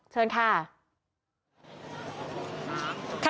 เชิญค่ะ